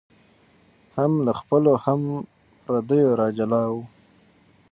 هم له خپلو هم پردیو را جلا وه